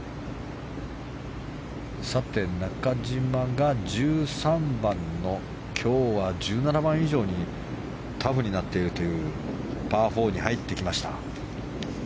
さて中島が１３番の、今日は１７番以上にタフになっているというパー４に入ってきました。